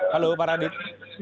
halo pak radit